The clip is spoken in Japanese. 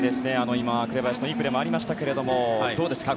今、紅林のいいプレーもありましたけどどうですか。